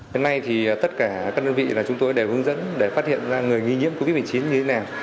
đến nay thì tất cả các đơn vị là chúng tôi đều hướng dẫn để phát hiện ra người nghi nhiễm covid một mươi chín như thế nào